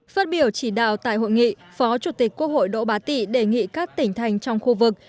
phát biểu chỉ đạo tại hội nghị phó chủ tịch quốc hội đỗ bá tị đề nghị các tỉnh thành trong khu vực